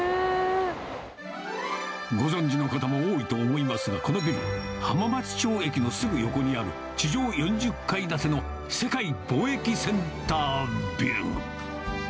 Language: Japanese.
ご存じの方も多いと思いますが、このビル、浜松町駅のすぐ横にある地上４０階建ての世界貿易センタービル。